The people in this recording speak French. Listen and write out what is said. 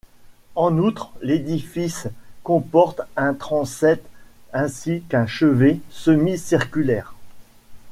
En outre, l'édifice comporte un transept ainsi qu'un chevet semi-circulaire.